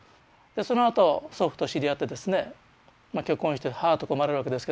そのあと祖父と知り合ってですね結婚して母とか生まれるわけですけども。